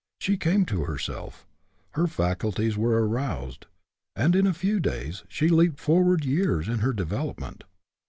She came to herself ; her faculties were aroused, and in a few days she leaped forward years in her development.